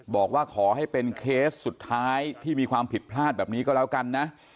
บอกว่าขอให้เป็นเคสสุดท้ายที่มีความผิดพลาดแบบนี้ก็แล้วกันนะ